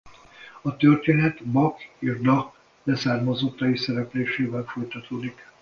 A történet Bak és Da leszármazottai szereplésével folytatódik.